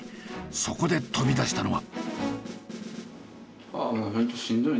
そこで飛び出したのは。